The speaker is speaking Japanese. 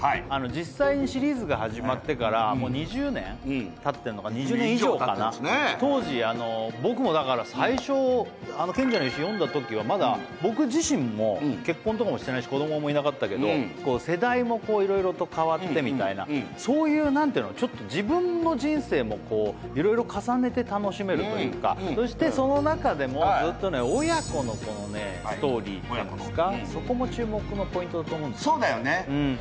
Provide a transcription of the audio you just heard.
実際にシリーズが始まってからもう２０年たってんのか２０年以上か当時僕もだから最初「賢者の石」読んだときはまだ僕自身も結婚とかもしてないし子供もいなかったけど世代も色々と変わってみたいなそういう何ていうのそしてその中でもずっとね親子のストーリーっていうんですかそこも注目のポイントだと思うんですそうだよね